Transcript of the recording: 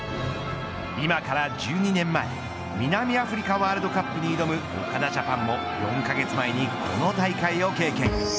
今から１２年前南アフリカワールドカップに挑む岡田ジャパンも４カ月前にこの大会を経験。